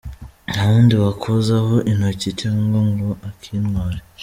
Nta wundi wakozaho intoki cyangwa ngo akintware.